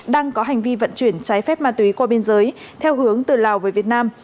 đang có hành vi vận chuyển trái phép ma túy qua biên giới theo hướng từ lào về việt nam